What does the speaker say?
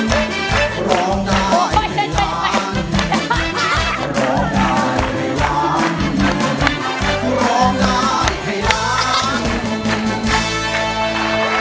ได้ครับ